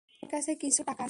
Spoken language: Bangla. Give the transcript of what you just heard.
আমার কাছে কিছু টাকা আছে।